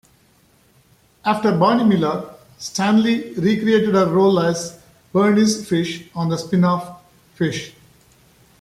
After "Barney Miller", Stanley recreated her role as Bernice Fish on the spinoff, "Fish".